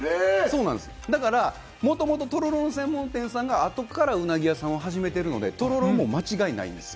だから、もともと、とろろの専門店さんが後からうなぎ屋さんを始めてるので、とろろは間違いないんです。